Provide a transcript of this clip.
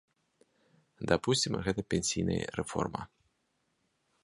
Дапусцім, гэта пенсійная рэформа.